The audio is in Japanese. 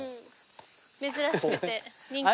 珍しくて人気に。